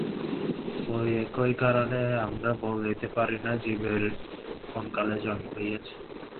ঐ একই কারণে আমরা বলিতে পারি না, জীবের কোনকালে জন্ম হইয়াছে।